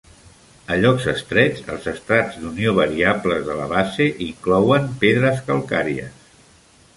A llocs estrets, els estrats d'unió variables de la base inclouen pedres calcàries.